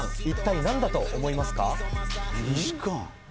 一体何だと思いますか？